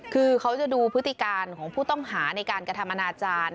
คือเขาจะดูพฤติการของผู้ต้องหาในการกระทำอนาจารย์